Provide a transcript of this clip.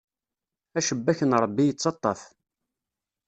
Acebbak n Ṛebbi ittaṭṭaf.